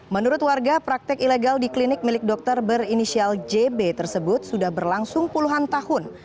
menurut warga praktek ilegal di klinik milik dokter berinisial jb tersebut sudah berlangsung puluhan tahun